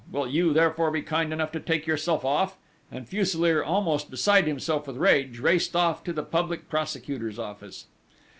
Will you, therefore, be kind enough to take yourself off?" And Fuselier, almost beside himself with rage, raced off to the Public Prosecutor's office.